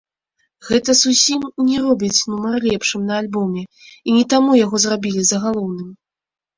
Гэта зусім не робіць нумар лепшым на альбоме, і не таму яго зрабілі загалоўным.